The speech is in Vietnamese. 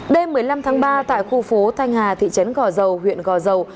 đêm một mươi năm tháng ba tại khu phố thanh hà thị trấn gò dầu huyện gò dầu